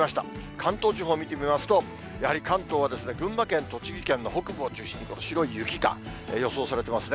関東地方を見てみますと、やはり関東は群馬県、栃木県の北部を中心に、白い雪が予想されていますね。